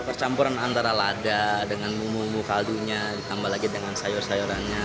percampuran antara lada dengan bumbu bumbu kaldunya ditambah lagi dengan sayur sayurannya